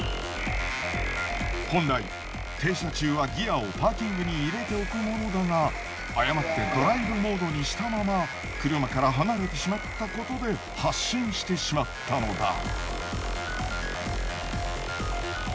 本来停車中はギアをパーキングに入れておくものだが誤ってドライブモードにしたまま車から離れてしまったことで発進してしまったのだ。